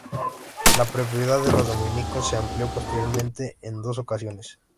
La propiedad de los dominicos se amplió posteriormente en dos ocasiones.